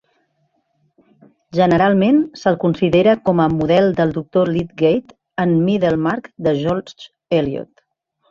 Generalment se'l considera com a model del Doctor Lydgate en Middlemarch, de George Eliot.